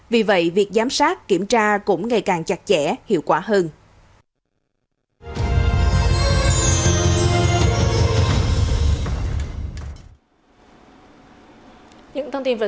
vì vậy việc giám sát kiểm tra cũng ngày càng chặt chẽ hiệu quả hơn